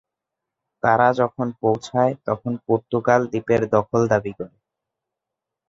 তারা যখন পৌছায় তখন পর্তুগাল দ্বীপের দখল দাবি করে।